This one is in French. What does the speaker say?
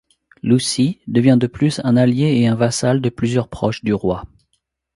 Luci devient de plus un allié et un vassal de plusieurs proches du roi.